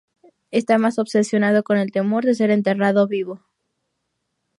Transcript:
Está más obsesionado con el temor de ser enterrado vivo.